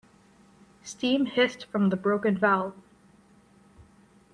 Steam hissed from the broken valve.